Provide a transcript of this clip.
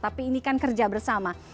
tapi ini kan kerja bersama